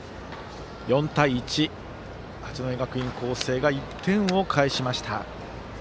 ４対１、八戸学院光星が１点を返しました。